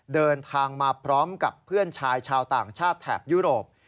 เดินทางมาพร้อมกับเพื่อนชายชาวต่างชาติแถบยุโรป